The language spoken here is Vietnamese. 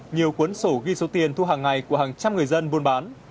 nhiều cuốn sổ ghi số tiền thu hàng ngày của hàng trăm người dân buôn bán